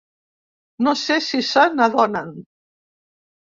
No sé si se n’adonen.